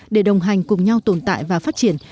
để đồng hành cùng nhau tồn tại và phát triển